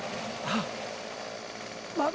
あっ。